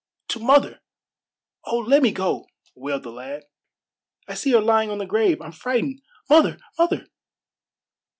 "To mother. Oh, let me go!" wailed the lad. "I see her lying on the grave. I'm frightened. Mother! mother!"